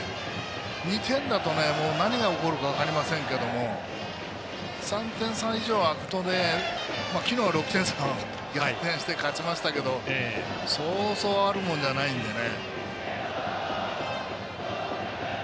２点だと何が起こるか分かりませんけれども３点差以上あくと昨日は６点差を逆転して勝ちましたけどそうそうあるもんじゃないんでね。